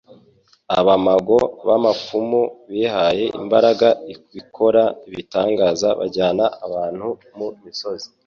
Abamago n'abapfumu bihaye imbaraga ikora ibitangaza bajyana abantu mu misozi.